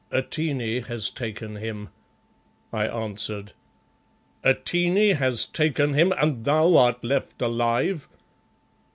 "Atene has taken him," I answered. "Atene has taken him and thou art left alive?"